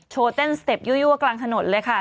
โชว์เต้นสเต็ปยู่กลางถนนเลยค่ะ